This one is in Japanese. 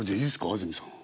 安住さん。